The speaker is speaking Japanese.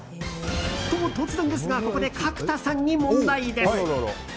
突然ですが、ここで角田さんに問題です。